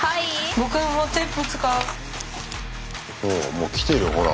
もう来てるよほら。